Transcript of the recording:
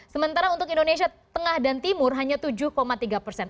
sementara untuk indonesia tengah dan timur hanya tujuh tiga persen